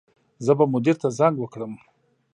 زه به مدیر ته زنګ وکړم